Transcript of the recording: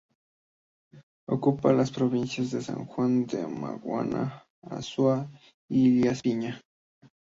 Ocupa las provincias de San Juan de la Maguana, Azua y Elías Piña.